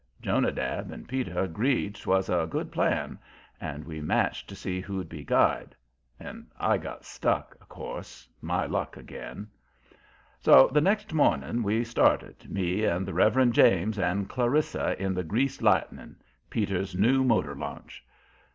Jonadab and Peter agreed 'twas a good plan, and we matched to see who'd be guide. And I got stuck, of course; my luck again. So the next morning we started, me and the Reverend James and Clarissa in the Greased Lightning, Peter's new motor launch.